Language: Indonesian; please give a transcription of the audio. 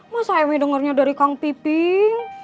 masa me dengarnya dari kang piping